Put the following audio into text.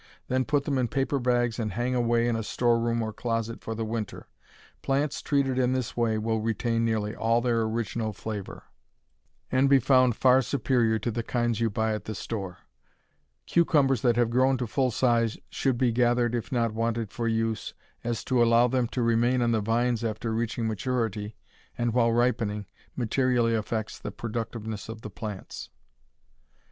Then put them in paper bags and hang away in a store room or closet for the winter. Plants treated in this way will retain nearly all their original flavor, and be found far superior to the kinds you buy at the store. Cucumbers that have grown to full size should be gathered if not wanted for use, as to allow them to remain on the vines after reaching maturity, and while ripening, materially affects the productiveness of the plants.